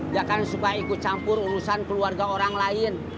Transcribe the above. ya kan supaya ikut campur urusan keluarga orang lain